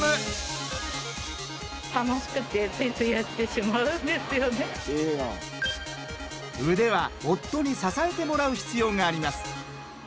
はまっているのが腕は夫に支えてもらう必要があります。